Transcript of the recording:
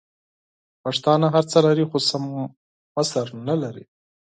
پښتانه هرڅه لري خو سم مشر نلري!